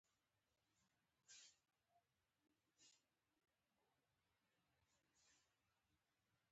مس د افغانستان د چاپیریال د مدیریت لپاره مهم دي.